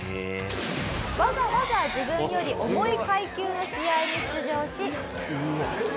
わざわざ自分より重い階級の試合に出場し。